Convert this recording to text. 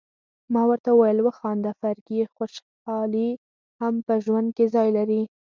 ما ورته وویل: وخانده فرګي، خوشالي هم په ژوند کي ځای لري.